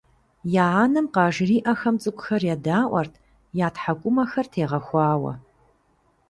Я анэм къажриӀэхэм цӀыкӀухэр едаӀуэрт я тхьэкӀумэхэр тегъэхуауэ.